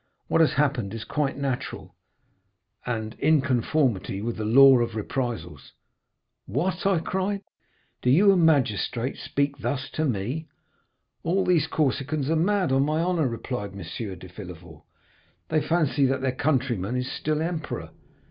What has happened is quite natural, and in conformity with the law of reprisals.' "'What,' cried I, 'do you, a magistrate, speak thus to me?' "'All these Corsicans are mad, on my honor,' replied M. de Villefort; 'they fancy that their countryman is still emperor.